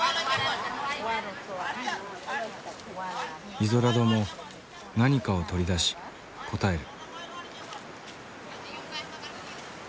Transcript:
イゾラドも何かを取り出し応える。